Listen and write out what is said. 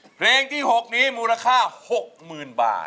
เพลงที่๖นี้มูลค่า๖๐๐๐บาท